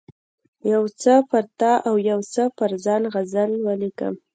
یو څه پر تا او یو څه پر ځان غزل ولیکم.